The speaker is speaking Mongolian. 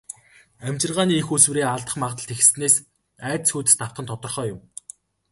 Амьжиргааны эх үүсвэрээ алдах магадлал ихэссэнээс айдас хүйдэст автах нь тодорхой юм.